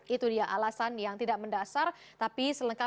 itu dia alasan yang tidak menarik